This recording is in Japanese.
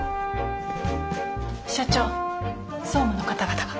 社長総務の方々が。